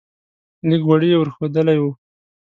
لږ غوړي یې ور ښودلی و.